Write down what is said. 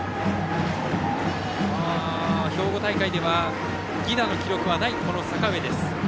兵庫大会では犠打の記録がない阪上です。